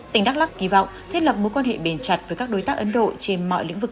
tỉnh đắk lắc kỳ vọng thiết lập mối quan hệ bền chặt với các đối tác ấn độ trên mọi lĩnh vực